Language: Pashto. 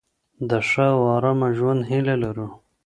د ښه او آرامه ژوند هیله لرو.